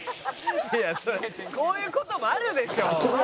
「いやそりゃこういう事もあるでしょ」